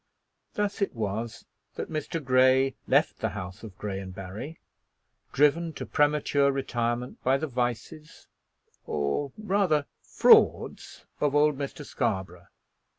Thus it was that Mr. Grey left the house of Grey & Barry, driven to premature retirement by the vices, or rather frauds, of old Mr. Scarborough.